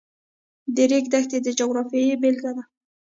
د ریګ دښتې د جغرافیې بېلګه ده.